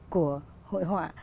của hội họa